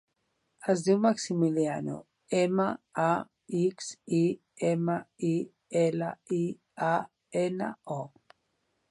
Es diu Maximiliano: ema, a, ics, i, ema, i, ela, i, a, ena, o.